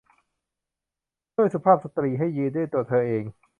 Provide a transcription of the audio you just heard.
ช่วยสุภาพสตรีให้ยืนด้วยตัวเธอเอง